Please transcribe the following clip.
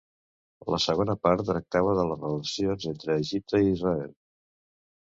La segona part tractava de les relacions entre Egipte i Israel.